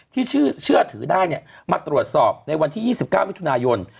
ที่เชื่อถือได้มาตรวจสอบในวันที่๒๙มิถุนายน